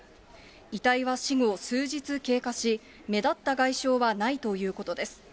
遺体は死後数日経過し、目立った外傷はないということです。